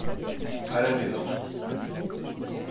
À la maison.